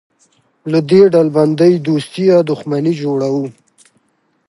له دې ډلبندۍ دوستي یا دښمني جوړوو.